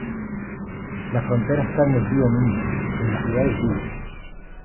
La frontera está en el río Miño, en la ciudad de Tuy.